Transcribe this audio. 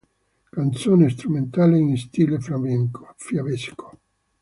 Canzone strumentale in stile fiabesco.